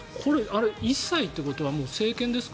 １歳ということはもう成犬ですか？